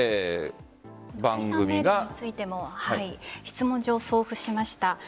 解散命令についても質問状を送付しました。